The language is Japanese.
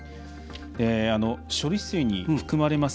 処理水に含まれます